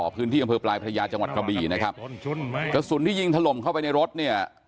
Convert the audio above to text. พื้นที่อำเภอปลายพระยาจังหวัดกระบีนะครับกระสุนที่ยิงถล่มเข้าไปในรถเนี่ย